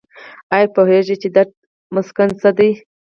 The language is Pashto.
ایا پوهیږئ چې درد مسکن څه دي؟